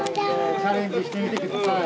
チャレンジしてみてください。